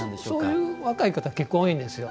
そういう若い方結構多いんですよ。